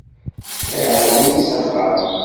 Iεreḍ-iyi s axxam.